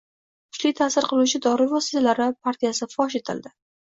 Kuchli ta’sir qiluvchi dori vositalari partiyasi fosh etilding